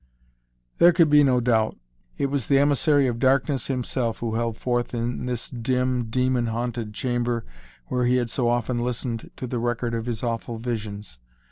There could be no doubt. It was the emissary of Darkness himself who held forth in this dim, demon haunted chamber where he had so often listened to the record of his awful visions.